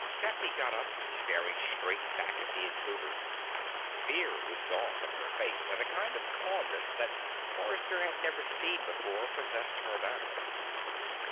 Kathy got up, staring straight back at the intruder. Fear was gone from her face, and a kind of calmness that Forrester had never seen before possessed her now.